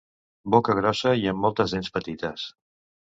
Boca grossa i amb moltes dents petites.